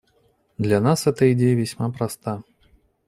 Для нас эта идея весьма проста.